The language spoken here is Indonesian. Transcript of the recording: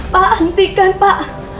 pak hentikan pak